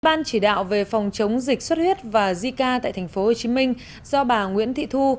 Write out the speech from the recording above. ban chỉ đạo về phòng chống dịch xuất huyết và zika tại tp hcm do bà nguyễn thị thu